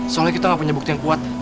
soalnya kita gak punya bukti yang kuat